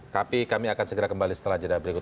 tapi kami akan segera kembali setelah jeda berikut